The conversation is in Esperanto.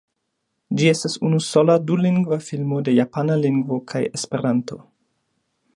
Ĝi estas unu sola dulingva filmo de japana lingvo kaj esperanto.